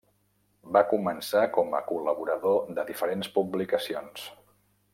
Va començar com a col·laborador de diferents publicacions.